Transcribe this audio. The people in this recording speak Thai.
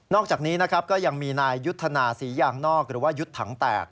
อกจากนี้นะครับก็ยังมีนายยุทธนาศรียางนอกหรือว่ายุทธ์ถังแตก